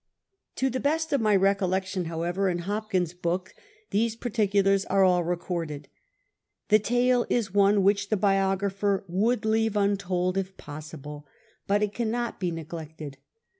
To the best OHAP. XI LONO THE SWINE GOD 147 of my recollection, however, in Hopkins's book these particulars are all recorded. The tale is one which the biographer would leave untold if possible. But it cannot bo neglected.